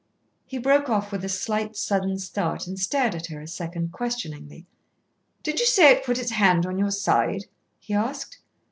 He broke off with a slight sudden start and stared at her a second questioningly. "Did you say it put its hand on your side?" he asked.